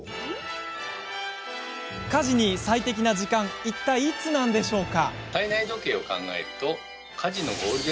家事に最適な時間とはいったいいつなんでしょうか？